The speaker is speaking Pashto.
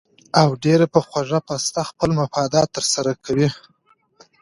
او ډېره پۀ خوږه پسته خپل مفادات تر سره کوي